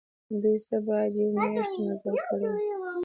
دوی څه باندي یوه میاشت مزل کړی وو.